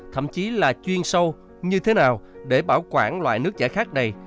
thậm chí là chuyên sâu như thế nào để bảo quản loại nước giả khác này